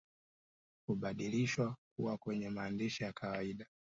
Hubadilishwa kuwa kwenye maandishi ya kawaida